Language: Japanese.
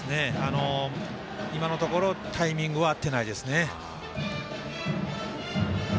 今のところタイミングは合っていないですね。